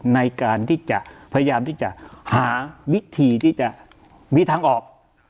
ในการที่จะพยายามที่จะหาวิธีที่จะมีทางออก